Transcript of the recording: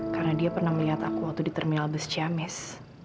karena dia pernah melihat aku waktu di terminal bus jamis